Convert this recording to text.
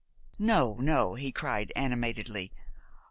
"No, no!" he cried animatedly.